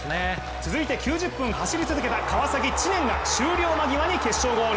続いて９０分走り続けた川崎・知念が終了間際に決勝ゴール。